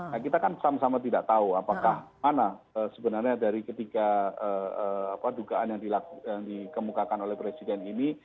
nah kita kan sama sama tidak tahu apakah mana sebenarnya dari ketiga dugaan yang dikemukakan oleh presiden ini